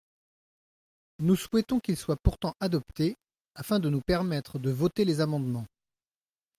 Nous souhaitons qu’ils soient pourtant adoptés afin de nous permettre de voter les amendements.